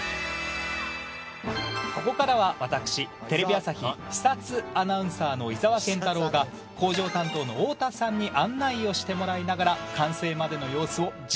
ここからは私テレビ朝日視察アナウンサーの井澤健太朗が工場担当の大田さんに案内をしてもらいながら。